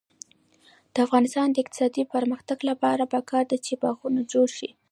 د افغانستان د اقتصادي پرمختګ لپاره پکار ده چې باغونه جوړ شي.